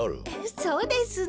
そうですね。